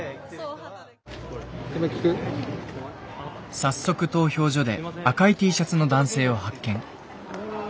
早速投票所で赤いＴシャツの男性を発見。